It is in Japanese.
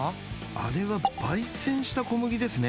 あれは焙煎した小麦ですね